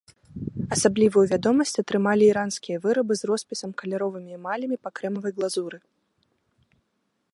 Асаблівую вядомасць атрымалі іранскія вырабы з роспісам каляровымі эмалямі па крэмавай глазуры.